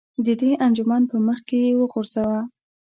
د دې انجمن په مخ کې یې وغورځوه.